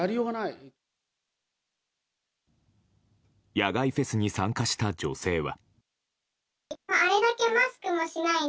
野外フェスに参加した女性は。